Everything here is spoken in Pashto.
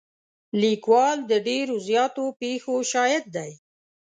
لیکوال د ډېرو زیاتو پېښو شاهد دی.